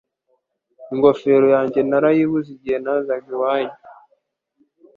ingofero yanjye narayibuze igihe nazaga iwanyu